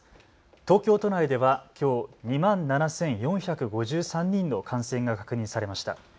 東京都内ではきょう２万７４５３人の感染が確認されました。